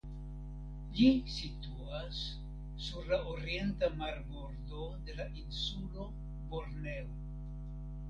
Ĝi situas sur la orienta marbordo de la insulo Borneo.